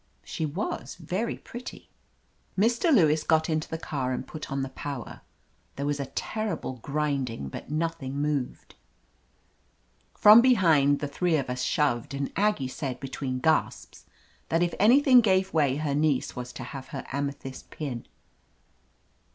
She was very pretty. 248 OF LETITIA CARBERRY Mr. Lewis got into the car and put on the power. There was a terrible grinding, but nothing moved. From behind, the three of us shoved, and Aggie said between gasps that if anything gave way her niece was to have her amethyst pin.